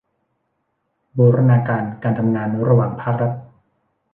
บูรณาการการทำงานระหว่างภาครัฐ